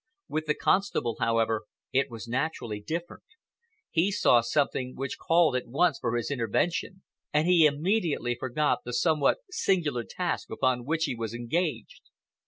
With the constable, however, it was naturally different. He saw something which called at once for his intervention, and he immediately forgot the somewhat singular task upon which he was engaged.